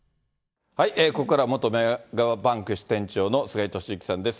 ここからは元メガバンク支店長の菅井敏之さんです。